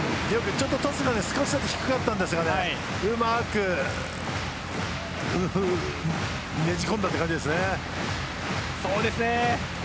トスが低かったんですがうまくねじ込んだという感じですね。